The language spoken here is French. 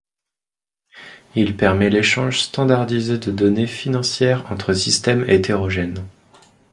Il permet l'échange standardisé de données financières entre systèmes hétérogènes.